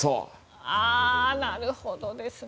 ああ、なるほどですね。